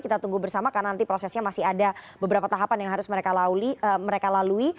kita tunggu bersama karena nanti prosesnya masih ada beberapa tahapan yang harus mereka lalui